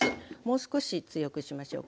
もう少し強くしましょうか。